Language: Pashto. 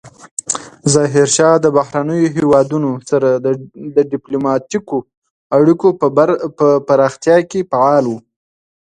ظاهرشاه د بهرنیو هیوادونو سره د ډیپلوماتیکو اړیکو په پراختیا کې فعال و.